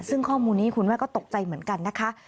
ซึ่งข้อมูลนี้คุณแม่ก็ตกใจเหมือนกันนะคะ